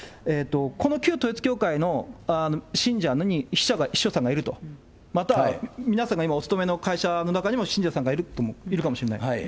この旧統一教会の信者の秘書さんがいると、また皆さんが今お勤めの会社の中にも信者さんがいるかもしれない。